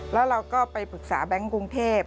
แล้วเราก็ไปปรึกษาแบงค์กรุงเทพ